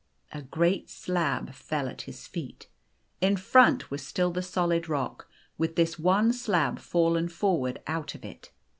A great slab fell at his feet. In front was still the solid rock, with this one slab fallen for ward out of it.